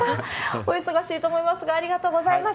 お忙しいと思いますが、ありがとうございます。